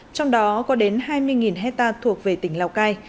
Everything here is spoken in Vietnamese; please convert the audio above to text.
trong đó có đến hai mươi hectare thuộc về tỉnh lào cai